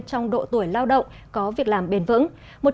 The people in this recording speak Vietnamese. trong độ tuổi lao động có việc làm bền vững